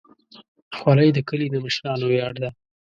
خولۍ د کلي د مشرانو ویاړ ده.